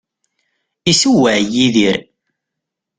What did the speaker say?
Issewway Yidir.